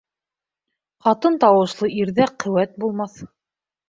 Ҡатын тауышлы ирҙә ҡеүәт булмаҫ.